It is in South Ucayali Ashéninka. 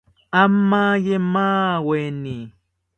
Amaye maweni